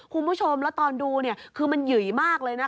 คุณผู้ชมแล้วตอนดูคือมันหยุยมากเลยนะคะ